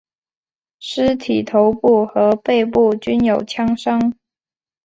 尸体头部和背部均有枪伤。